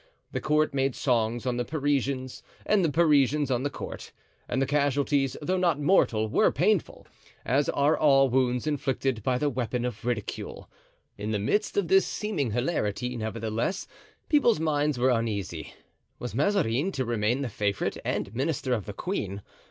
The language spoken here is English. The court made songs on the Parisians and the Parisians on the court; and the casualties, though not mortal, were painful, as are all wounds inflicted by the weapon of ridicule. In the midst of this seeming hilarity, nevertheless, people's minds were uneasy. Was Mazarin to remain the favorite and minister of the queen?